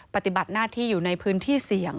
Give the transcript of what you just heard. ปฏิบัติหน้าที่อยู่ในพื้นที่เสี่ยง